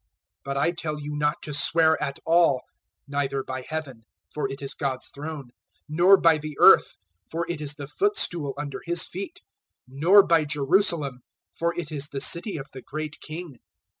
005:034 But I tell you not to swear at all; neither by Heaven, for it is God's throne; 005:035 nor by the earth, for it is the footstool under His feet; nor by Jerusalem, for it is the City of the Great King.